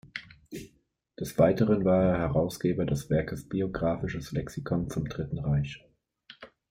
Des Weiteren war er Herausgeber des Werkes Biographisches Lexikon zum Dritten Reich.